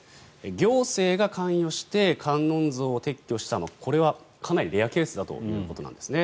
行政が関与して観音像を撤去したこれはかなりレアケースだということなんですね。